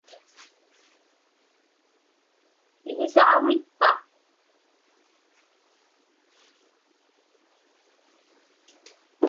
Iḷisaġuŋitpa?